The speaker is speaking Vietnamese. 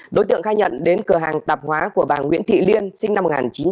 đối tượng khai nhận đến cửa hàng tạp hóa của bà nguyễn thị liên sinh năm một nghìn chín trăm tám mươi